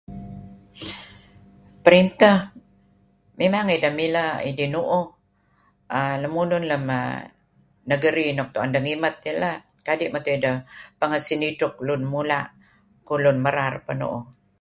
Perintah, memang ideh mileh ideh nu'uh err lemulun nuk err negeri nuk tu'en deh ngimet dih lah, kadi' meto ideh pengeh senidtuk lun mula' kuh lun merar peh nu'uh.